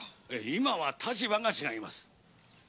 今は立場が違います。